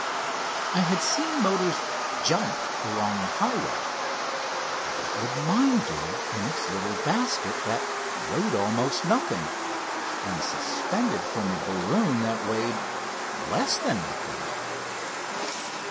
I had seen motors "jump" along the highway. What would mine do in its little basket, that weighed almost nothing, and suspended from a balloon that weighed less than nothing?